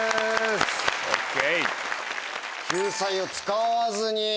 ＯＫ。